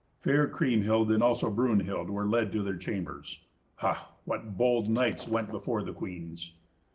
Fair Kriemhild and also Brunhild were led to their chambers. Ha! what bold knights went before the queens!